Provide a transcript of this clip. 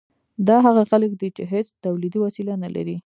دا هغه خلک دي چې هیڅ تولیدي وسیله نلري.